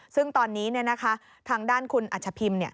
ซึ่งตอนนี้ทางด้านคุณอัชพิมพ์